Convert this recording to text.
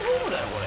これ。